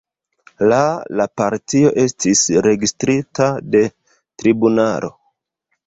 La la partio estis registrita de tribunalo.